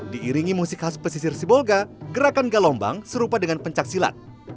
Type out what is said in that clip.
diiringi musik khas pesisir sibolga gerakan galombang serupa dengan pencaksilat